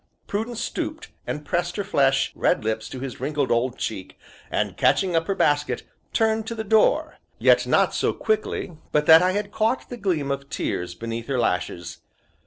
Prudence stooped and pressed her fresh, red lips to his wrinkled old cheek and, catching up her basket, turned to the door, yet not so quickly but that I had caught the gleam of tears beneath her lashes.